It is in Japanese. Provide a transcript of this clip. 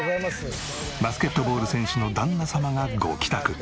バスケットボール選手の旦那様がご帰宅。